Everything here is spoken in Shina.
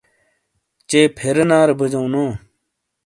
چے پھُرا نارے بجَوں نو۔